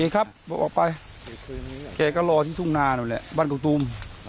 ครับออกไปจะรอที่ทุ่งนานนะแหละบ้านกับตุ้ม